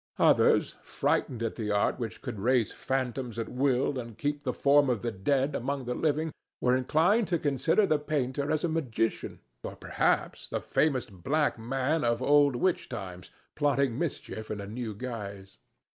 Others, frightened at the art which could raise phantoms at will and keep the form of the dead among the living, were inclined to consider the painter as a magician, or perhaps the famous Black Man of old witch times plotting mischief in a new guise.